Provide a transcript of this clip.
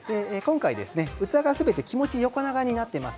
器がすべて気持ち横長になっています。